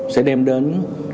sẽ đem đến